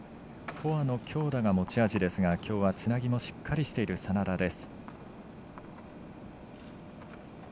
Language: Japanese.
フォアの強打が持ち味ですがきょうは、つなぎもしっかりしている眞田です。